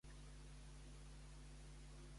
Com es deien els germans d'Èleos?